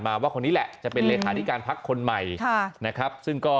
ว่าคนนี้แหละจะเป็นเลขาธิการพักคนใหม่ค่ะนะครับซึ่งก็